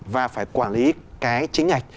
và phải quản lý cái chính ạch